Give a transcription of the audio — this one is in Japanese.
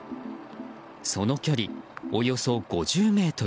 その距離、およそ５０ｍ。